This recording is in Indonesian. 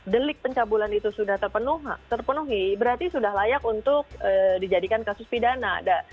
delik pencabulan itu sudah terpenuhi berarti sudah layak untuk dijadikan kasus pidana